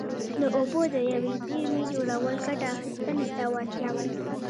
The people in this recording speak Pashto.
د اوبو د یوې زېرمې جوړول ګټه اخیستنې ته وړتیا ورکوي.